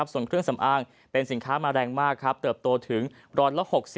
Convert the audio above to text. ส่วนเครื่องสำอางเป็นสินค้ามาแรงมากเติบโตถึง๑๖๐